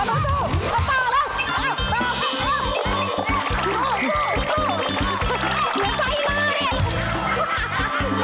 เลิฟต่อเร็ว